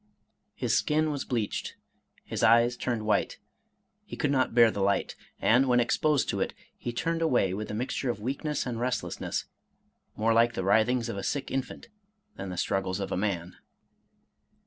— His skin was bleached, his eyes turned white ; he could not bear the Hght; and, when exposed to it, he turned away with a mixture of weakness and restlessness, more like the writh ings of a sick infant than the struggles of a man.